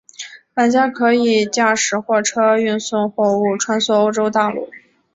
玩家可以驾驶货车运送货物穿梭欧洲大陆。